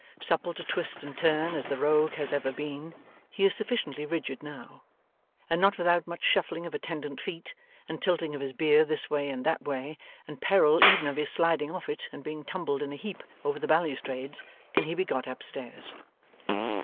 Supple to twist and turn as the Rogue has ever been, he is sufficiently rigid now; and not without much shuffling of attendant feet, and tilting of his bier this way and that way, and peril even of his sliding off it and being tumbled in a heap over the balustrades, can he be got up stairs.